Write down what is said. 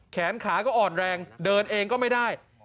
แขนขาก็อ่อนแรงเดินเองก็ไม่ได้